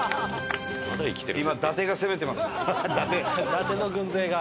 伊達の軍勢が。